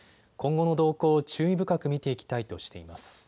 今後の動向を注意深く見ていきたいとしています。